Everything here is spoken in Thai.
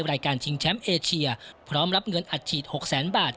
รายการชิงแชมป์เอเชียพร้อมรับเงินอัดฉีด๖แสนบาท